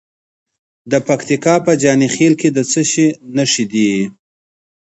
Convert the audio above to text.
د پکتیکا په جاني خیل کې د څه شي نښې دي؟